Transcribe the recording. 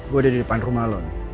gua ada di depan rumah lo nih